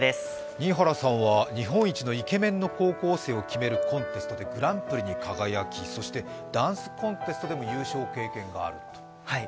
新原さんは日本一のイケメンの高校生を決めるコンテストでグランプリに輝き、ダンスコンテストでも優勝経験があると。